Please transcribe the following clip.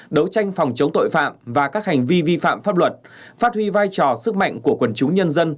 đấu tranh phòng chống tội phạm và các hành vi vi phạm pháp luật phát huy vai trò sức mạnh của quần chúng nhân dân